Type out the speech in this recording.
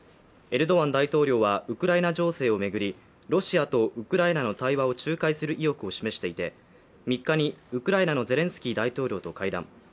エルドアン大統領はウクライナ情勢を巡り、ロシアとウクライナの対話を仲介する意欲を示していて、３日にウクライナのゼレンスキー大統領と会談。